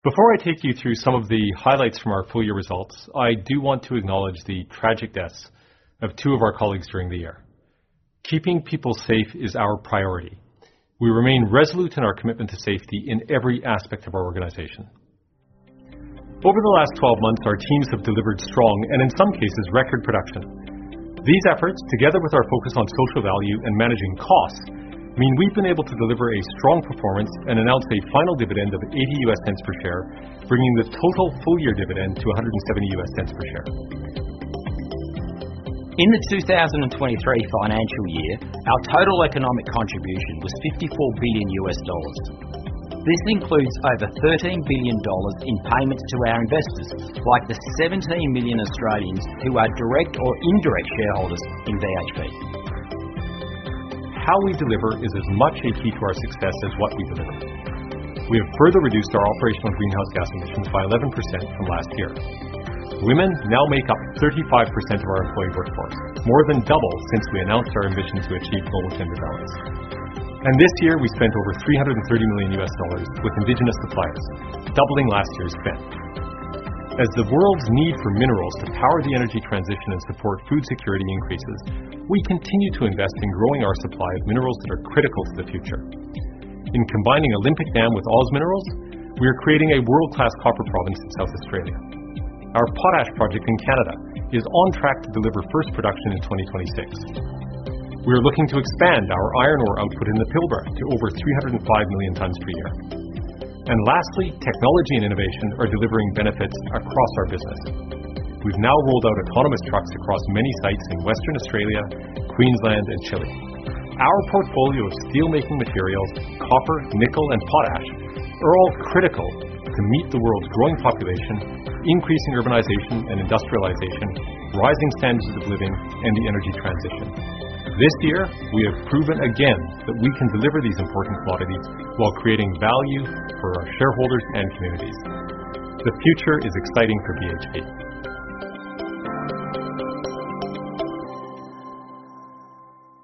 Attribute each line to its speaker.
Speaker 1: Before I take you through some of the highlights from our full year results, I do want to acknowledge the tragic deaths of two of our colleagues during the year. Keeping people safe is our priority. We remain resolute in our commitment to safety in every aspect of our organization. Over the last 12 months, our teams have delivered strong, and in some cases, record production. These efforts, together with our focus on social value and managing costs, mean we've been able to deliver a strong performance and announce a final dividend of $0.80 per share, bringing the total full-year dividend to $1.70 per share. In the 2023 financial year, our total economic contribution was $54 billion. This includes over $13 billion in payments to our investors, like the 17 million Australians who are direct or indirect shareholders in BHP. How we deliver is as much a key to our success as what we deliver. We have further reduced our operational greenhouse gas emissions by 11% from last year. Women now make up 35% of our employee workforce, more than double since we announced our ambition to achieve global gender balance. This year, we spent over $330 million with Indigenous suppliers, doubling last year's spend. As the world's need for minerals to power the energy transition and support food security increases, we continue to invest in growing our supply of minerals that are critical to the future. In combining Olympic Dam with OZ Minerals, we are creating a world-class copper province in South Australia. Our Potash project in Canada is on track to deliver first production in 2026. We are looking to expand our iron ore output in the Pilbara to over 305 million tons per year. Lastly, technology and innovation are delivering benefits across our business. We've now rolled out autonomous trucks across many sites in Western Australia, Queensland, and Chile. Our portfolio of steelmaking materials, copper, nickel, and potash are all critical to meet the world's growing population, increasing urbanization and industrialization, rising standards of living, and the energy transition. This year, we have proven again that we can deliver these important commodities while creating value for our shareholders and communities. The future is exciting for BHP.